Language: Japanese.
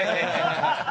ハハハハ！